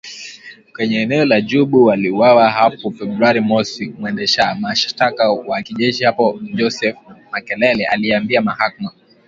kwenye eneo la Djubu waliuawa hapo Februari mosi mwendesha mashtaka wa kijeshi Joseph Makelele aliiambia mahakama